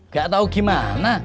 gak tau gimana